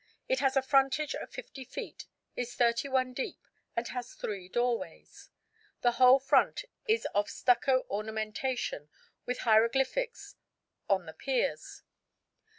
It has a frontage of 50 feet, is 31 deep, and has three doorways. The whole front is of stucco ornamentation with hieroglyphics on the piers.